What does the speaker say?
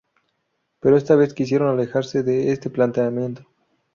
Pero esta vez, quisieron alejarse de este planteamiento.